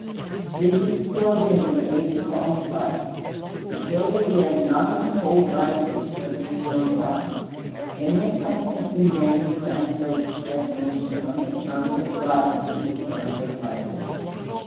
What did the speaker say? Jesus filled in the age long blank; He filled it in, not in cold language, but in warm life. Many attempts have been made to translate His definition from the terms of life into the terms of language.